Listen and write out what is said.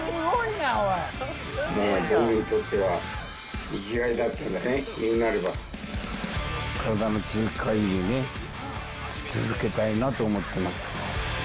僕にとっては生きがいだっていうかね、になれば、体の続くかぎりね、続けたいなと思ってます。